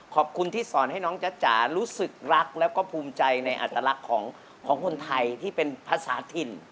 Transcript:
ขอบคุณที่สอนให้น้องจ๊ะจ๋ารู้สึกรักแล้วก็ภูมิใจในอัตลักษณ์ของคนไทยที่เป็นภาษาถิ่น